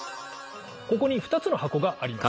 ここに２つの箱があります。